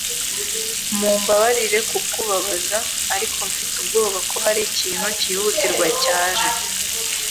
Mumbabarire kukubabaza, ariko mfite ubwoba ko hari ikintu cyihutirwa cyaje.